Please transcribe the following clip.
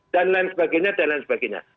dan lain sebagainya dan lain sebagainya